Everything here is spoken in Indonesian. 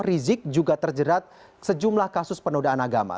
rizik juga terjerat sejumlah kasus penodaan agama